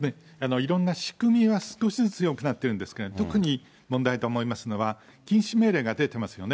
いろんな仕組みは少しずつよくなってるんですけど、特に問題と思いますのは、禁止命令が出てますよね。